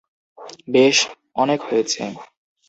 বেশ, অনেক হয়েছে।